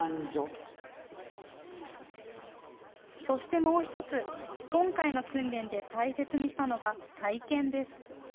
そしてもう一つ、今回の訓練で大切にしたのが体験です。